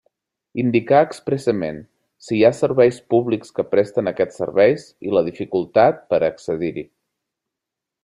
Indicar expressament si hi ha serveis públics que presten aquests serveis i la dificultat per a accedir-hi.